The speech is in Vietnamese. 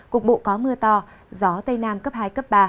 cục bộ có mưa to gió tây nam cấp hai cấp ba